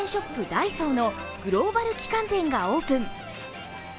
ダイソーのグローバル旗艦店がオープン。